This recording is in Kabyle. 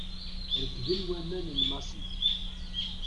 Rekden waman n Massi.